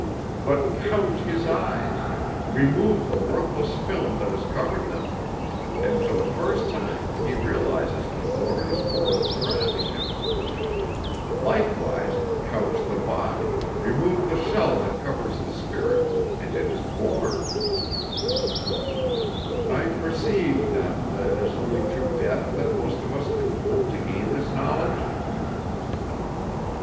But couch his eyes, remove the worthless film that has covered them, and for the first time he realizes the glorious world surrounding him. Likewise couch the body, remove the shell that covers the spirit, and it is born." "I perceive, then, that it is only through death that most of us can hope to gain this knowledge."